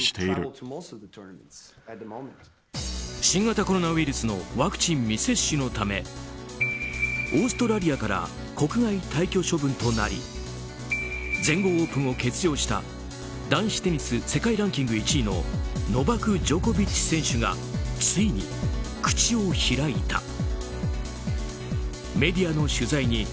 新型コロナウイルスのワクチン未接種のためオーストラリアから国外退去処分となり全豪オープンを欠場した男子テニス世界ランキング１位のノバク・ジョコビッチ選手がついに口を開いた。